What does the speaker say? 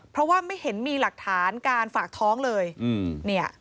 เพราะว่าไม่เห็นมีหลักฐานการฝากท้องเลยเนี่ย